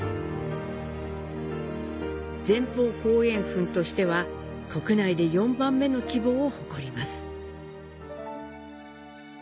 前方後円墳としては国内で４番目の規模を誇ります。